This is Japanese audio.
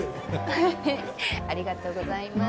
ふふっありがとうございます